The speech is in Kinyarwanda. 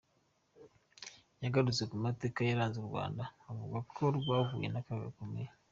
Yagarutse ku mateka yaranze u Rwanda, avuga ko rwahuye n’akaga gakomeye.